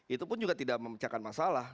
itu pun juga tidak memecahkan masalah